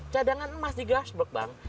cadangan emas di gash block bang